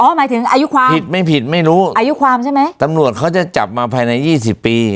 หมายถึงอายุความผิดไม่ผิดไม่รู้อายุความใช่ไหมตำรวจเขาจะจับมาภายในยี่สิบปี